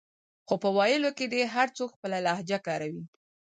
خو په ویلو کې دې هر څوک خپله لهجه کاروي